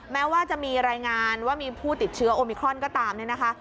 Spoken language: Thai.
แม้ว่าจะมีรายงานว่ามีผู้ติดเชื้อโอมิครอนก็ตามเนี่ยนะคะ